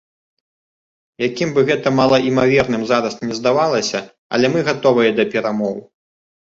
Якім бы гэта малаімаверным зараз не здавалася, але мы гатовыя да перамоў.